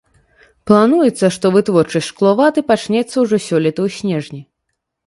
Плануецца, што вытворчасць шкловаты пачнецца ўжо сёлета ў снежні.